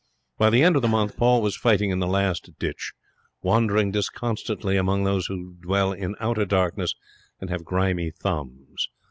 By the end of the month Paul was fighting in the last ditch, wandering disconsolately among those who dwell in outer darkness and have grimy thumbs.